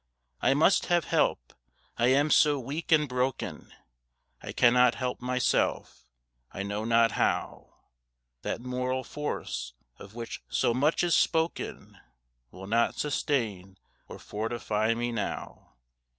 I must have help. I am so weak and broken I cannot help myself. I know not how That moral force of which so much is spoken Will not sustain or fortify me now.